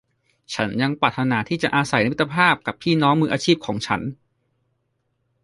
ฉันยังปรารถนาที่จะอาศัยในมิตรภาพกับพี่น้องมืออาชีพของฉัน